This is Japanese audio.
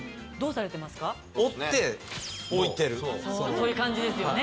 そういう感じですよね。